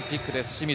清水。